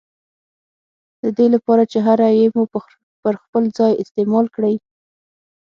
ددې له پاره چي هره ي مو پر خپل ځای استعمال کړې